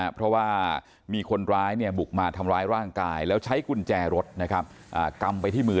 เพราะว่ามีคนร้ายบุกมาทำร้ายร่างกายแล้วใช้กุญแจรถกำไปที่มือ